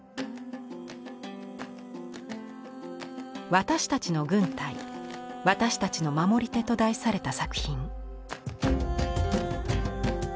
「私達の軍隊私達の守り手」と題された作品。